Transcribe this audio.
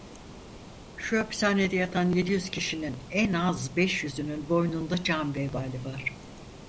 Şu hapishanede yatan yedi yüz kişinin en az beş yüzünün boynunda can vebali var.